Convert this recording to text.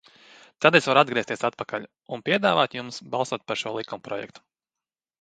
Tad es varu atgriezties atpakaļ un piedāvāt jums balsot par šo likumprojektu.